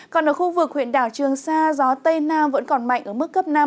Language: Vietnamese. còn ở khu vực huyện đảo trường sa gió tây nam vẫn còn mạnh ở mức cấp năm